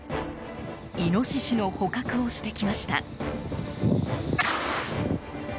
イノシシの捕獲をしてきました。